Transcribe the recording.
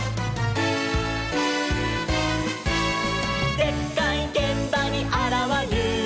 「でっかいげんばにあらわる！」